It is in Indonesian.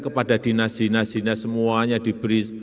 kepada dinas dinas dinas semuanya diberi